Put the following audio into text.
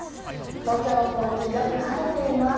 東京六本木よく晴れてます。